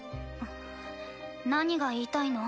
何が言いたいの？